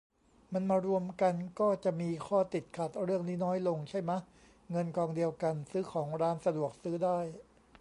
มันมารวมกันก็จะมีข้อติดขัดเรื่องนี้น้อยลงใช่มะ เงินกองเดียวกันซื้อของร้านสะดวกซื้อได้